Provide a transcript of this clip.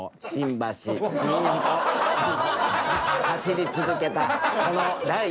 走り続けたこの第１号ＳＬは。